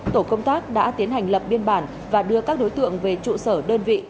tổ công tác đã tiến hành lập biên bản và đưa các đối tượng về trụ sở đơn vị